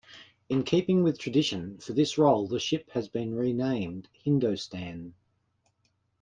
In keeping with tradition, for this role the ship has been renamed "Hindostan".